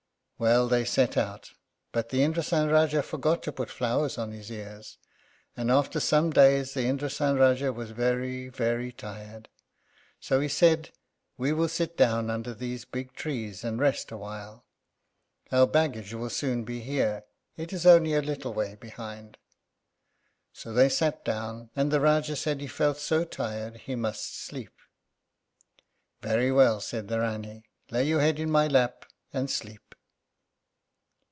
Well, they set out; but the Indrásan Rájá forgot to put flowers on his ears, and after some days the Indrásan Rájá was very, very tired, so he said, "We will sit down under these big trees and rest awhile. Our baggage will soon be here; it is only a little way behind." So they sat down, and the Rájá said he felt so tired he must sleep. "Very well," said the Rání; "lay your head in my lap and sleep."